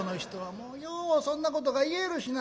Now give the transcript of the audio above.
もうようそんなことが言えるしな」。